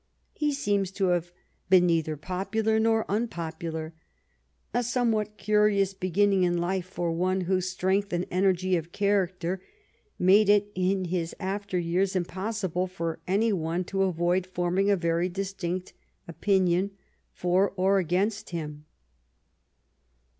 He seems ETON AND OXFORD 13 to have been neither popular nor unpopular — a somewhat curious beginning in life for one whose strength and energy of character made it in his after years impossible for any one to avoid form ing a very distinct opinion for or against him.